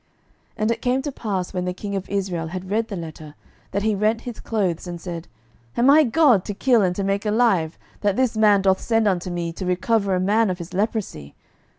12:005:007 And it came to pass, when the king of Israel had read the letter, that he rent his clothes, and said, Am I God, to kill and to make alive, that this man doth send unto me to recover a man of his leprosy?